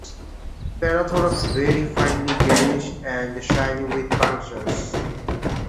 Prothorax very finely greyish and shiny with punctures.